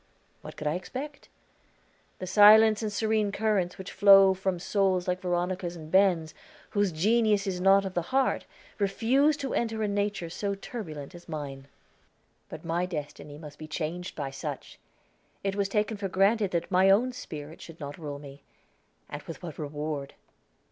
What could I expect? The silent and serene currents which flow from souls like Veronica's and Ben's, whose genius is not of the heart, refuse to enter a nature so turbulent as mine. But my destiny must be changed by such! It was taken for granted that my own spirit should not rule me. And with what reward?